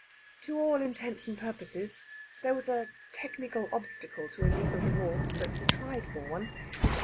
"To all intents and purposes. There was a technical obstacle to a legal divorce, but he tried for one.